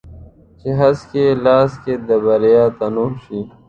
چې هسک یې لاس کې د بریا توغ شي